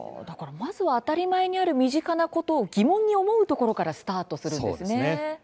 まずは当たり前にある身近なことを疑問に思うところからスタートするんですね。